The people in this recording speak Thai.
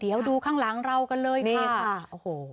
เดี๋ยวดูข้างหลังเรากันเลยค่ะเน่ค่ะโทษ